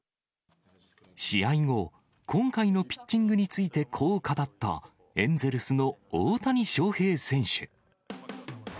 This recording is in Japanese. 試合後、今回のピッチングについてこう語った、エンゼルスの大谷翔平選手。